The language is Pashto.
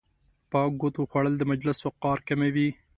په ګوتو خوړل د مجلس وقار کموي.